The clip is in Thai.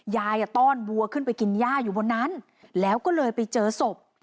ยายต้อนวัวขึ้นไปกินย่าอยู่บนนั้นแล้วก็เลยไปเจอศพ